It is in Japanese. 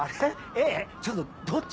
えっえっちょっとどっち？